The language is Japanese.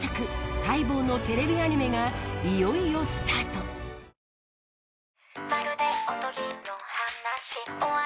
待望のテレビアニメがいよいよスタートフリーレン。